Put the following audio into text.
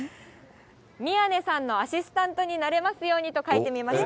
宮根さんのアシスタントになれますようにと書いてみました。